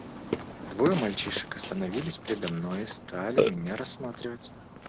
Двое мальчишек остановились передо мной и стали меня рассматривать.